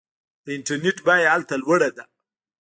د انټرنیټ بیه هلته لوړه ده.